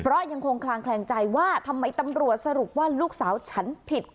เพราะยังคงคลางแคลงใจว่าทำไมตำรวจสรุปว่าลูกสาวฉันผิด